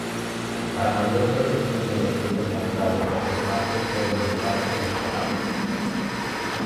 Para mayor protección del objeto enmarcado, los marcos pueden estar acristalados.